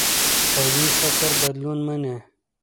قوي فکر بدلون مني